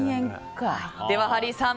ではハリーさん